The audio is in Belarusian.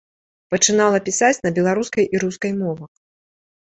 Пачынала пісаць на беларускай і рускай мовах.